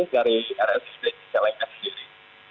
dari rsud cicalengka sendiri